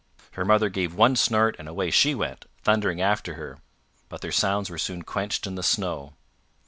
Her mother gave one snort, and away she went, thundering after her. But their sounds were soon quenched in the snow.